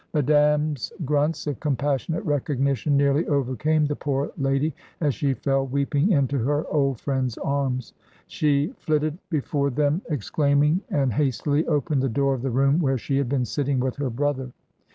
Madame's grunts of compassionate recognition nearly overcame the poor lady as she fell weeping into her old friend's arms. She flitted before them ADIEU LES SONGES d'OR. 1 89 exclaiming, and hastily opened the door of the room where she had been sitting with her brother.